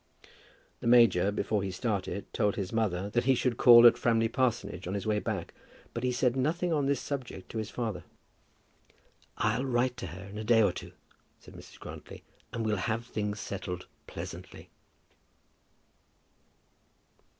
The major, before he started, told his mother that he should call at Framley Parsonage on his way back; but he said nothing on this subject to his father. "I'll write to her in a day or two," said Mrs. Grantly, "and we'll have things settled pleasantly."